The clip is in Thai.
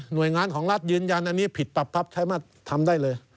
โดยงานของรัฐยืนยันอันนี้ผิดปรับพับใช้มาทำได้เลย